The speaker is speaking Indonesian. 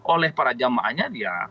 oleh para jamaahnya